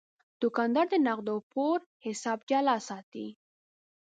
دوکاندار د نغدو او پور حساب جلا ساتي.